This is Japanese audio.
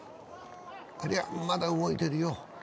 ありゃ、まだ動いてるよ。